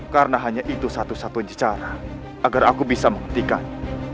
karena hanya itu satu satunya cara agar aku bisa menghentikan